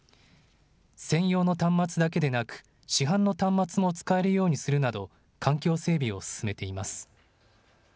専用の端末だけでなく市販の端末も使えるようにするなど環境整備を進めています。